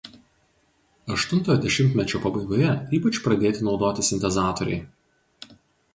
Aštuntojo dešimtmečio pabaigoje ypač pradėti naudoti sintezatoriai.